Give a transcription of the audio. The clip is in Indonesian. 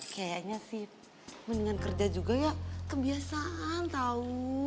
kayaknya sih mendingan kerja juga ya kebiasaan tahu